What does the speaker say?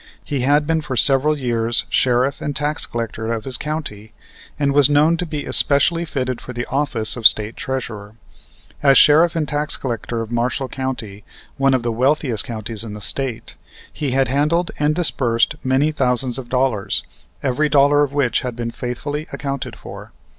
He had been for several years Sheriff and Tax Collector of his county, and was known to be especially fitted for the office of State Treasurer. As Sheriff and Tax Collector of Marshall County, one of the wealthiest counties in the State, he had handled and disbursed many thousands of dollars, every dollar of which had been faithfully accounted for.